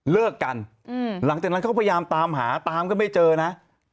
เลิกกันหลังจากนั้นเขาพยายามตามหาตามก็ไม่เจอนะ